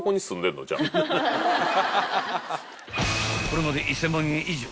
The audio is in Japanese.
［これまで１，０００万円以上！